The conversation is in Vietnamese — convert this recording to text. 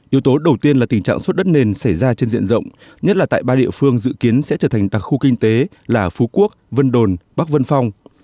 yếu tố đầu tiên là tình trạng xuất đất nền xảy ra trên diện rộng nhất là tại ba địa phương dự kiến sẽ trở thành đặc khu kinh tế là phú quốc vân đồn bắc vân phong